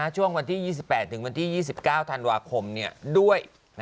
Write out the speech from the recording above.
ช่วงวันที่๒๘ถึงวันที่๒๙ธันวาคมด้วย